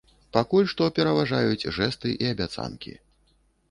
Пакуль што пераважаюць жэсты і абяцанкі.